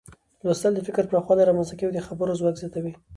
لوستل د فکر پراخوالی رامنځته کوي او د خبرو ځواک زیاتوي.